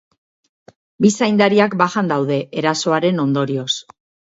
Bi zaindariak bajan daude, erasoaren ondorioz.